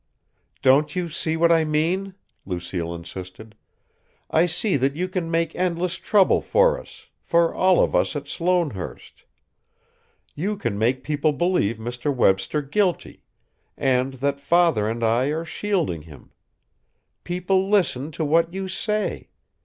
"Don't you see what I mean?" Lucille insisted. "I see that you can make endless trouble for us for all of us at Sloanehurst. You can make people believe Mr. Webster guilty, and that father and I are shielding him. People listen to what you say.